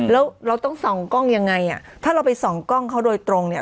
แล้วเราต้องส่องกล้องยังไงอ่ะถ้าเราไปส่องกล้องเขาโดยตรงเนี่ย